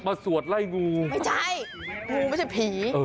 สวดไล่งูไม่ใช่งูไม่ใช่ผี